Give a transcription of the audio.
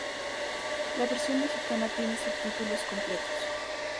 La versión mexicana tiene subtítulos completos.